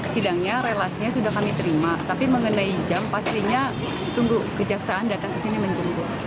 sidangnya relasinya sudah kami terima tapi mengenai jam pastinya tunggu kejaksaan datang ke sini menjenguk